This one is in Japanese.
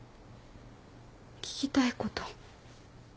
聞きたいこと？